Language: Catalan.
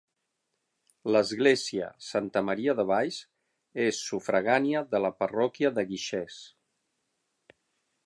L'església, Santa Maria de Valls, és sufragània de la parròquia de Guixers.